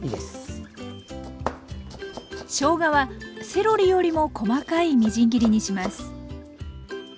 しょうがはセロリよりも細かいみじん切りにします。